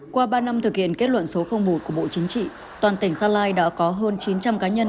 qua ba năm thực hiện kết luận số một của bộ chính trị toàn tỉnh gia lai đã có hơn chín trăm linh cá nhân